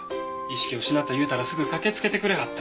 意識を失った言うたらすぐ駆けつけてくれはった。